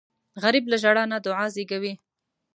غریب له ژړا نه دعا زېږوي